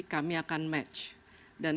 kami akan match dan